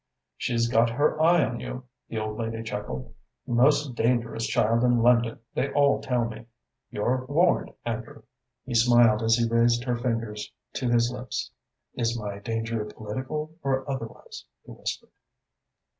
"She's got her eye on you," the old lady chuckled. "Most dangerous child in London, they all tell me. You're warned, Andrew." He smiled as he raised her fingers to his lips. "Is my danger political or otherwise?" he whispered.